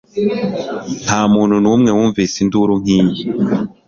ntamuntu numwe wumvise induru nkiyi